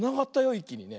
いっきにね。